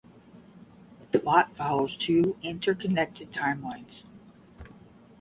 The plot follows two interconnected timelines.